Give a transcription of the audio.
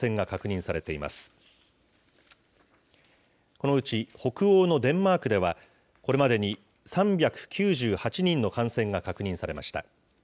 このうち北欧のデンマークでは、これまでに３９８人の感染が確認されました。